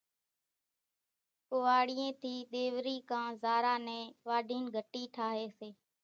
ڪوئاڙيئين ٿِي ۮيوري ڪان زارا نين واڍين گھٽي ٺاھي سي